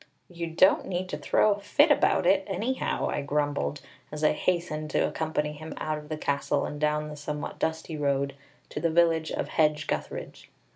"You don't need to throw a fit about it, anyhow," I grumbled, as I hastened to accompany him out of the castle and down the somewhat dusty road to the village of Hedge gutheridge.